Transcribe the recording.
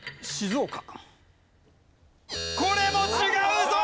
これも違うぞ！